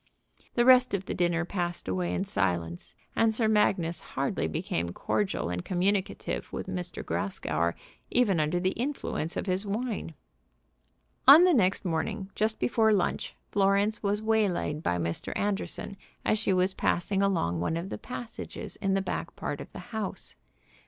The rest of the dinner passed away in silence, and Sir Magnus hardly became cordial and communicative with M. Grascour, even under the influence of his wine. On the next morning just before lunch Florence was waylaid by Mr. Anderson as she was passing along one of the passages in the back part of the house.